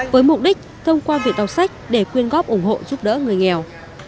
với mục đích thông qua việc đọc sách để quyên góp ủng hộ giúp đỡ người nghèo